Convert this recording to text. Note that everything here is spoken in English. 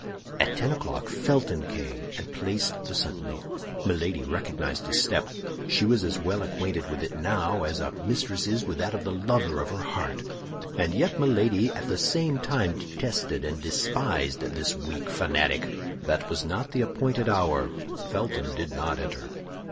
At ten o'clock Felton came and placed the sentinel. Milady recognized his step. She was as well acquainted with it now as a mistress is with that of the lover of her heart; and yet Milady at the same time detested and despised this weak fanatic. That was not the appointed hour. Felton did not enter.